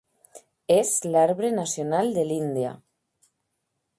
És l'arbre nacional de l'Índia.